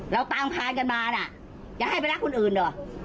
เราตามพานกันมาน่ะจะให้ไปรักคนอื่นเหรอ